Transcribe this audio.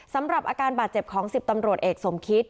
สำหรับอาการบาดเจ็บของ๑๐ตำรวจเอกสมคิต